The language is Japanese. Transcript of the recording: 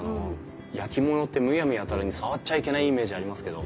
焼き物ってむやみやたらに触っちゃいけないイメージありますけど。